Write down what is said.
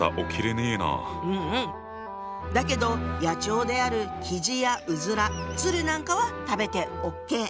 だけど野鳥であるきじやうずら鶴なんかは食べてＯＫ。